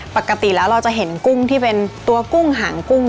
ปกติแล้วเราจะเห็นกุ้งที่เป็นตัวกุ้งหางกุ้ง